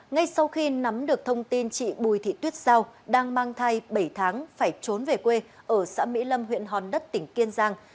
ngay sau khi nắm được thông tin chị bùi thị tuyết giao đang mang thai bảy tháng phải trốn về quê ở xã mỹ lâm huyện hòn đất tỉnh kiên giang